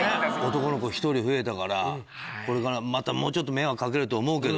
「男の子１人増えたからこれからまたもうちょっと迷惑かけると思うけど」。